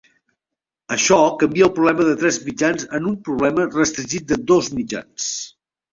Això canvia el problema de tres mitjans en un problema restringit de dos mitjans.